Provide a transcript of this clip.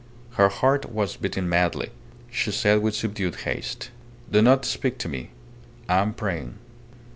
Her heart was beating madly. She said with subdued haste "Do not speak to me. I am praying."